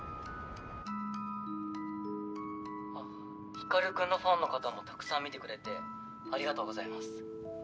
光君のファンの方もたくさん見てくれてありがとうございます。